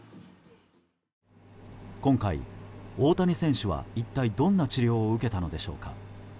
今回、大谷選手は一体どんな治療を受けたのでしょうか。